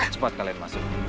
cuma sempat kalian masuk